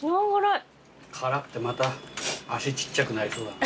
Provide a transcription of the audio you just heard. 辛くてまた足ちっちゃくなりそうだな。